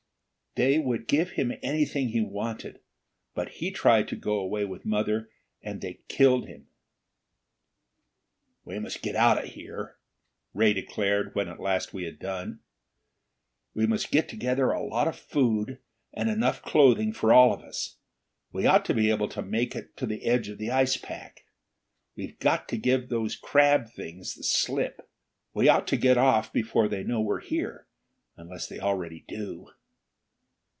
"They would give him anything he wanted. But he tried to go away with mother, and they killed him." "We must get out of here," Ray declared when at last we had done. "We must get together a lot of food, and enough clothing for all of us. We ought to be able to make it to the edge of the ice pack. We've got to give these crab things the slip; we ought to get off before they know we're here unless they already do."